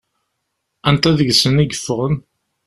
Anta deg-sen i yeffɣen?